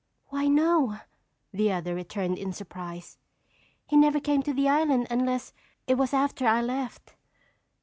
"Why, no," the other returned in surprise. "He never came to the island unless it was after I left."